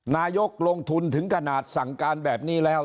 นายกลงทุนถึงขนาดสั่งการแบบนี้แล้ว